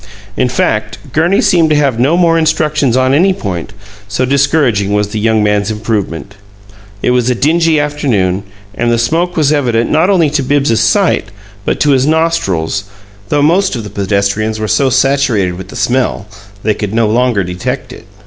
In fact, Gurney seemed to have no more instructions on any point, so discouraging was the young man's improvement. It was a dingy afternoon, and the smoke was evident not only to Bibbs's sight, but to his nostrils, though most of the pedestrians were so saturated with the smell they could no longer detect it.